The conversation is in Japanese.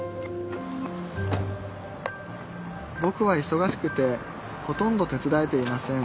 ぼくはいそがしくてほとんど手伝えていません